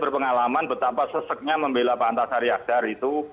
berpengalaman betapa seseknya membela pak antasari azhar itu